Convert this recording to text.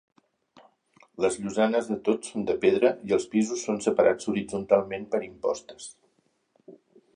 Les llosanes de tots són de pedra i els pisos són separats horitzontalment per impostes.